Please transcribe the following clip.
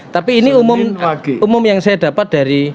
tapi ini umum yang saya dapat dari